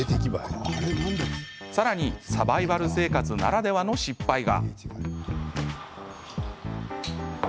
さらにサバイバル生活ならではの失敗が。